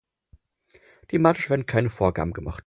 Thematisch werden keine Vorgaben gemacht.